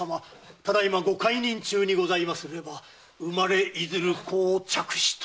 ただいまご懐妊中にございますれば産まれいずる子を嫡子と。